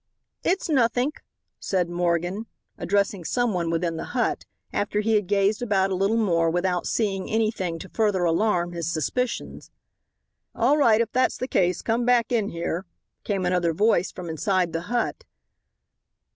"H'its nothink," said Morgan, addressing someone within the hut, after he had gazed about a little more without seeing anything to further alarm his suspicions. "All right, if that's the case come back in here," came another voice from inside the hut.